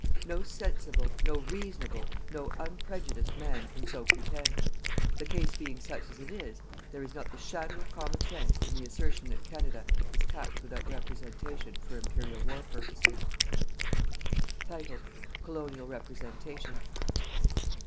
No sensible, no reasonable, no unprejudiced man can so pretend. The case being such as it is, there is not the shadow of common sense in the assertion that Canada is taxed without representation for Imperial war purposes. COLONIAL REPRESENTATION.